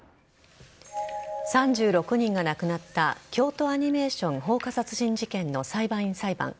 ３６人が亡くなった京都アニメーション放火殺人事件の裁判員裁判。